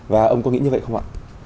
và ông có nghĩ như vậy không ạ